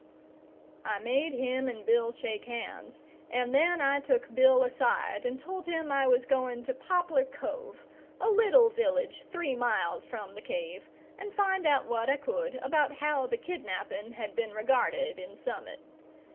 I made him and Bill shake hands, and then I took Bill aside and told him I was going to Poplar Cove, a little village three miles from the cave, and find out what I could about how the kidnapping had been regarded in Summit.